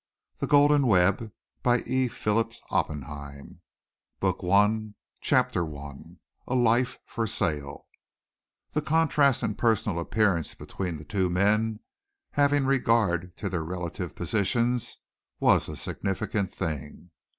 THE GOLDEN WEB BOOK ONE CHAPTER I A LIFE FOR SALE The contrast in personal appearance between the two men, having regard to their relative positions, was a significant thing.